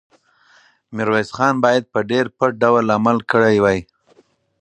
میرویس خان باید په ډېر پټ ډول عمل کړی وی.